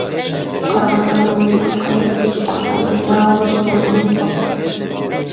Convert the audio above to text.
قارىغاندا، نومۇسنى قايرىپ قويۇش ئەخلاقى راۋۇرۇس مودا بولۇپ قاپتۇ.